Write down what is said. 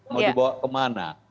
mau dibawa kemana